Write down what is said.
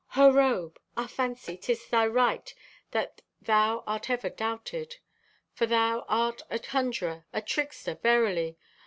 "Her robe! Ah, Fancy, 'tis thy right that thou art ever doubted. For thou art a conjurer, a trickster, verily.